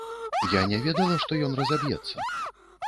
Я не ведала, што ён разаб'ецца.